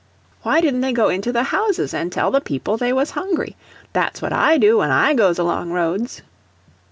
"Why didn't they go into the houses, and the people they was hungry? That's what I do when I goes along roads."